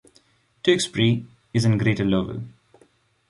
Tewksbury is in Greater Lowell.